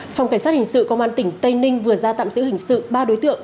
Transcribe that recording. phòng cảnh sát hình sự công an tỉnh tây ninh vừa ra tạm giữ hình sự ba đối tượng